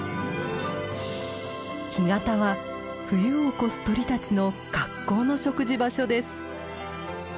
干潟は冬を越す鳥たちの格好の食事場所です。